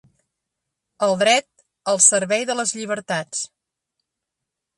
El dret, al servei de les llibertats